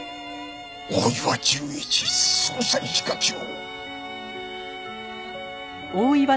大岩純一捜査一課長。